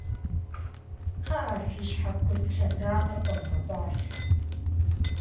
Къыӏэ си щхьэ куцӏ лъэдакъэр къомыгъэкъуалъэ